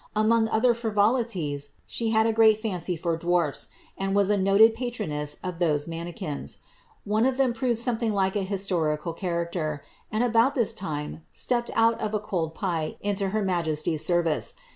Ainon|y other frivolities, '.»: liad a great fancy for dwarfs, and was a noted patroness of those :;:.i.ip.ikin8 ; one of them proved something like an historical character, v.ii about this time stepped out of a cold pie into her majesty"'s service.